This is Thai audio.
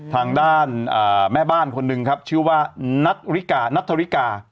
ทางด้านแม่บ้านคนหนึ่งครับชื่อว่านัทริกานัทธริกา